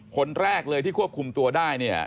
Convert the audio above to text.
คนแรกเลยที่ควบคุมตัวได้เนี่ย